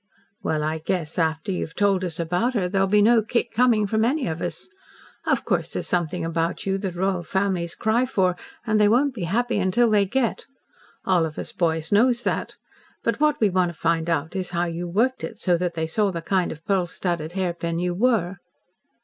"Well, I guess after you've told us about her there'll be no kick coming from any of us. Of course there's something about you that royal families cry for, and they won't be happy till they get. All of us boys knows that. But what we want to find out is how you worked it so that they saw the kind of pearl studded hairpin you were."